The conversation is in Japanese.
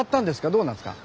どうなんですか？